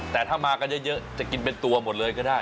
แต่ถ้ามากันเยอะจะกินเป็นตัวหมดเลยก็ได้